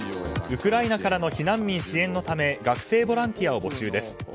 ウクライナからの避難民支援のため学生ボランティアを募集です。